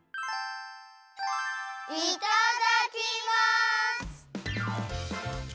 いただきます！